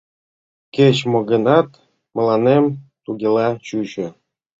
Кеч мо-гынат, мыланем тугела чучо.